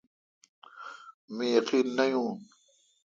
مہ یقین نہ یون۔